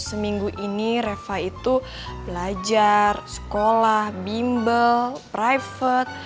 seminggu ini reva itu belajar sekolah bimbel private